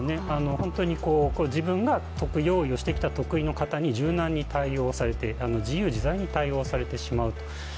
本当に自分が得意に対応してきたものに柔軟に対応されて、自由自在に対応されてしまうと。